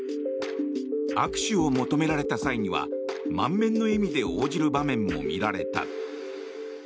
握手を求められた際には満面の笑みで応じる場面も見られた。